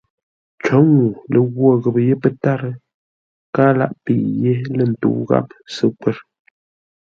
Cǒ ŋuu lə ghwo ghəpə́ yé pə́tárə́, káa láʼ pə́i yé lə̂ ntə́u gháp səkwə̂r.